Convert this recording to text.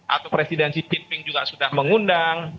atau presiden xi jinping juga sudah mengundang